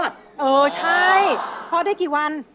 เออใช่คลอดได้กี่วัน